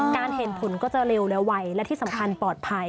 เห็นผลก็จะเร็วและไวและที่สำคัญปลอดภัย